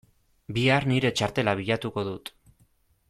Bihar nire txartela bilatuko dut.